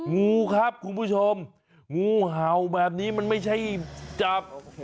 งูครับคุณผู้ชมงูเห่าแบบนี้มันไม่ใช่จับ